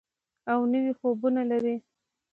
او نوي خوبونه لري.